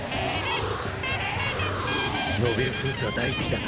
モビルスーツは大好きだぜ。